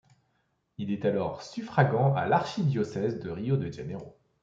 Il est alors suffragant de l'archidiocèse de Rio de Janeiro.